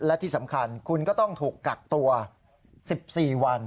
และที่สำคัญคุณก็ต้องถูกกักตัว๑๔วัน